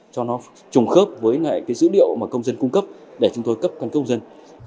cho nó trùng khớp với dữ liệu công dân cung cấp để chúng tôi cấp cân cước công dân